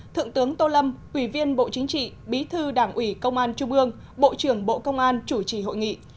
thượng tướng tô lâm ủy viên bộ chính trị bí thư đảng ủy công an trung ương bộ trưởng bộ công an chủ trì hội nghị